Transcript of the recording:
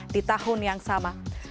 di tahun yang sama